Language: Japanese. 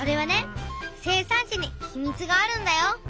生産地に秘密があるんだよ。